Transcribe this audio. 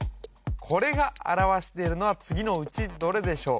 これが表しているのは次のうちどれでしょう？